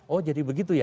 oh jadi begitu ya